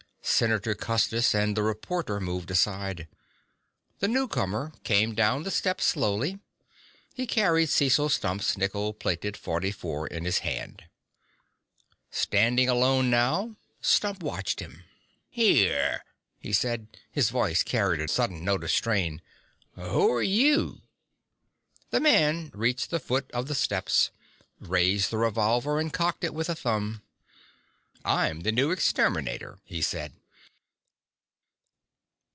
Senator Custis and the reporter moved aside. The newcomer came down the steps slowly. He carried Cecil Stump's nickel plated .44 in his hand. Standing alone now, Stump watched him. "Here," he said. His voice carried a sudden note of strain. "Who're you?" The man reached the foot of the steps, raised the revolver and cocked it with a thumb. "I'm the new exterminator," he said.